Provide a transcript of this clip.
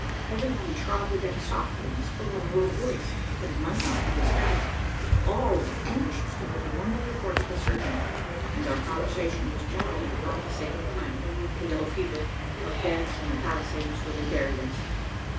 Every one trod the deck softly, and spoke in a low voice, that he might not be disturbed; all were anxious to have the morning report of the surgeon, and our conversation was generally upon the sickly climate, the yellow fever, of death and the palisades where they buried us.